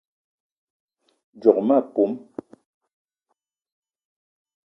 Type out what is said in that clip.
Djock ma pom